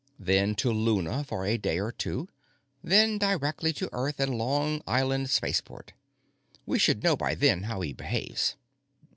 Then to Luna for a day or two. Then directly to Earth and Long Island Spaceport. We should know by then how he behaves."